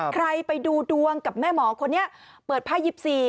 ใครไปดูดวงกับแม่หมอคนเนี้ยเปิดภาพยิปสี